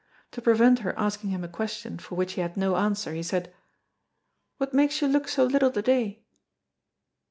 To prevent her asking him a question for which he had no answer, he said, "What makes you look so little the day?"